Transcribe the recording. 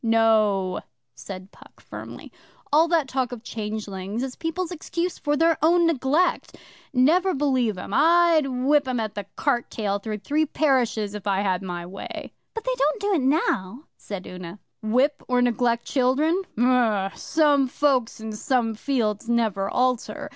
'No,' said Puck firmly. 'All that talk of changelings is people's excuse for their own neglect. Never believe 'em. I'd whip 'em at the cart tail through three parishes if I had my way.' 'But they don't do it now,' said Una. 'Whip, or neglect children? Umm! Some folks and some fields never alter.